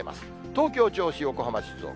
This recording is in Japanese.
東京、銚子、横浜、静岡。